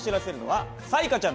はい！